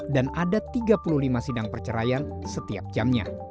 dan ada tiga puluh lima sidang perceraian setiap jamnya